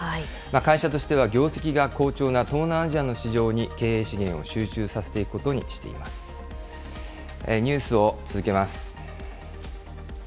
会社としては、業績が好調な東南アジアの市場に経営資源を集中させていくことにしています。ニュースを続けます。